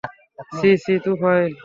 ছি, ছি, তুফাইল!